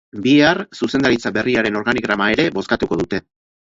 Bihar zuzendaritza berriaren organigrama ere bozkatuko dute.